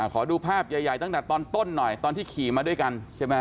ขอดูภาพใหญ่ตั้งแต่ตอนต้นหน่อยตอนที่ขี่มาด้วยกันใช่ไหม